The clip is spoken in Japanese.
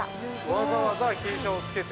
◆わざわざ傾斜をつけて？